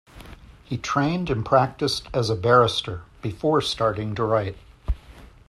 He trained and practiced as a barrister, before starting to write.